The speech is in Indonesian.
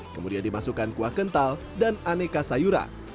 kemudian dimasukkan kuah kental dan aneka sayuran